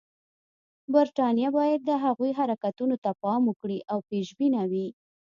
برټانیه باید د هغوی حرکتونو ته پام وکړي او پېشبینه وي.